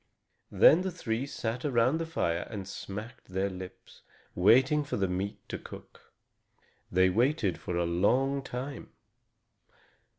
Then the three sat around the fire and smacked their lips, waiting for the meat to cook. They waited for a long time.